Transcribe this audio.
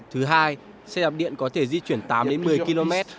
thứ hai xe đạp điện có thể di chuyển tám đến một mươi km